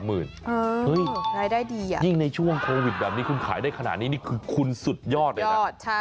รายได้ดียิ่งในช่วงโควิดแบบนี้คุณขายได้ขนาดนี้นี่คือคุณสุดยอดเลยนะ